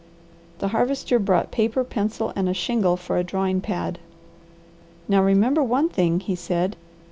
The Harvester brought paper, pencil, and a shingle for a drawing pad. "Now remember one thing," he said.